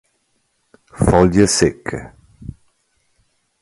Foglie secche.